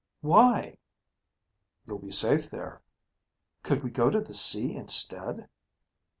"Why?" "You'll be safe there." "Could we go to the sea instead?"